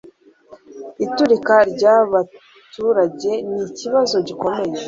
Iturika ryabaturage nikibazo gikomeye.